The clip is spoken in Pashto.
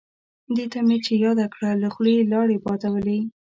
دته مې چې یاده کړه له خولې یې لاړې بادولې.